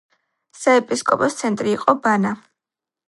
საეპისკოპოსოს ცენტრი იყო ბანა.